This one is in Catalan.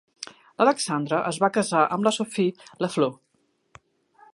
L'Alexandre es va casar amb la Sophie Lafleur.